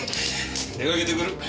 出掛けてくる。